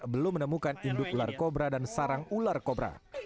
belum menemukan induk ular kobra dan sarang ular kobra